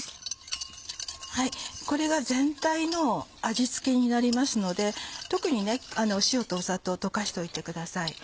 これが全体の味付けになりますので特に塩と砂糖溶かしておいてください。